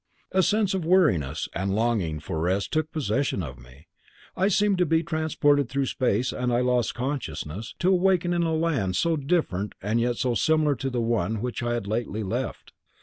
A sense of weariness and longing for rest took possession of me. I seemed to be transported through space, and I lost consciousness, to awaken in a land so different and yet so similar to the one which I had lately left.